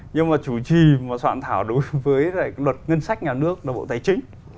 nhưng mà chủ trì mà soạn thảo đối với luật ngân sách nhà nước là bộ tài chính